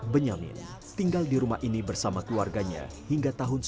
benyamin tinggal di rumah ini bersama keluarganya hingga tahun seribu sembilan ratus sembilan puluh